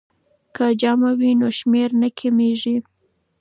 که جمع وي نو شمېر نه کمیږي.